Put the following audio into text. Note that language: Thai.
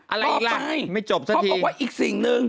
อะไรอีกล่ะไม่จบสักทีต่อไปเขาบอกว่าอีกสิ่งหนึ่ง